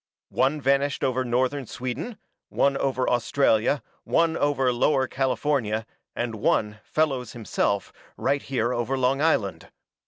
"One vanished over northern Sweden, one over Australia, one over Lower California, and one, Fellows, himself, right here over Long Island.